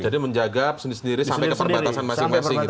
jadi menjaga sendiri sendiri sampai ke perbatasan masing masing gitu ya